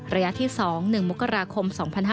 ระยะที่๒๑มกราคม๒๕๕๙